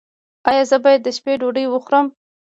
ایا زه باید د شپې ډوډۍ وخورم؟